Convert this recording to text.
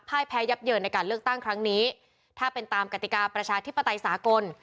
แพ้ยับเยินในการเลือกตั้งครั้งนี้ถ้าเป็นตามกติกาประชาธิปไตยสากล